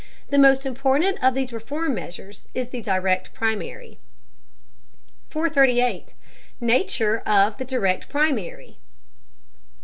The most important of these reform measures is the Direct Primary. 438. NATURE OF THE DIRECT PRIMARY.